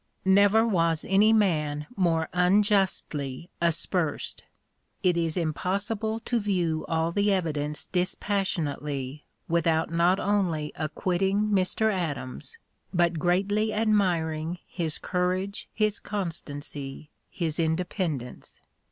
Never was any man more unjustly aspersed. It is impossible to view all the evidence dispassionately without not only acquitting Mr. (p. 054) Adams but greatly admiring his courage, his constancy, his independence.